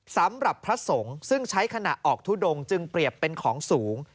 สำหรับพระสงฆ์ซึ่งใช้ขณะออกทุดงจึงเปรียบเป็นของสูง